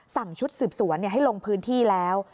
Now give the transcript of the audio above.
ชุดสืบสวนให้ลงพื้นที่แล้ว